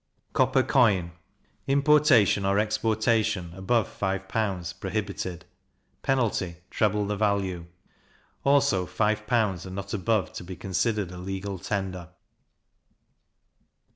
Copper Coin. Importation or exportation, above five pounds, prohibited; penalty, treble the value. Also five pounds, and not above, to be considered a legal tender.